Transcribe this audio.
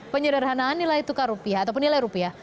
penyederhanaan nilai tukar rupiah atau penilai rupiah